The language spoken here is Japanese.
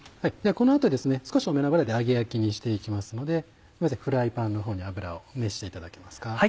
この後少し多めの油で揚げ焼きにして行きますのでフライパンのほうに油を熱していただけますか。